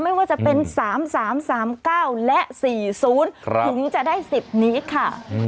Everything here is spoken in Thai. ไม่ว่าจะเป็น๓๓๙และ๔๐ถึงจะได้๑๐นี้ค่ะ